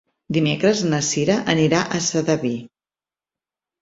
Dimecres na Cira anirà a Sedaví.